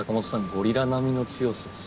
ゴリラ並みの強さっすね。